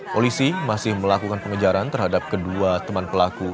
polisi masih melakukan pengejaran terhadap kedua teman pelaku